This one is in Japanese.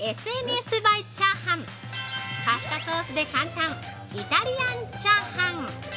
「ＳＮＳ映えチャーハン」パスタソースで簡単「イタリアンチャーハン」